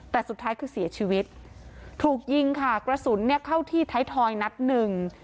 แต่สุดท้ายคือเสียชีวิตถูกยิงค่ะกระสุนเนี่ยเข้าที่ไทยทอยนัดหนึ่ง